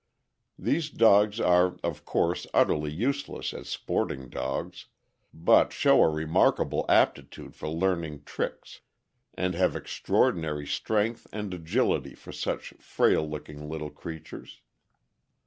These dogs are of course utterly useless as sporting dogs, but show a remarkable aptitude for learning tricks, and have extraordinary strength and agility for such frail looking little creatures.